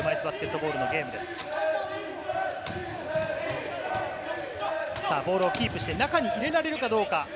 ボールをキープして、中に入れられるかどうか。